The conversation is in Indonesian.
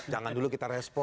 jangan dulu kita respon